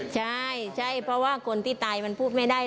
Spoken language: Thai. แม่มีความคิดอย่างไร